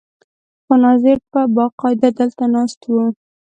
خو ناظر به باقاعده دلته ناست و.